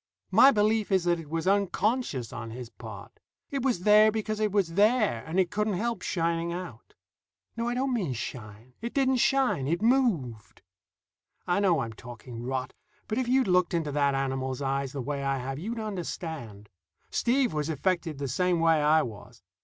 My belief is that it was unconscious on his part. It was there because it was there, and it couldn't help shining out. No, I don't mean shine. It didn't shine; it moved. I know I'm talking rot, but if you'd looked into that animal's eyes the way I have, you'd understand. Steve was affected the same way I was.